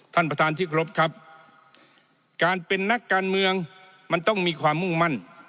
ท่านประธานที่กรบครับการเป็นนักการเมืองมันต้องมีความมุ่งมั่น